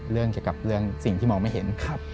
เกี่ยวกับเรื่องสิ่งที่มองไม่เห็น